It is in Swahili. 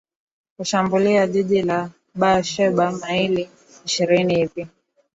kushambulia jiji la bar sheba maili ishirini hivi